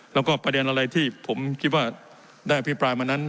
แล้วก็ประเด็นอะไรที่ผมคิดว่าได้อภิปรายมานั้น